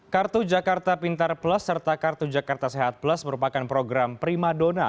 kartu jakarta pintar plus serta kartu jakarta sehat plus merupakan program prima dona